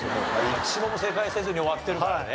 一問も正解せずに終わってるからね。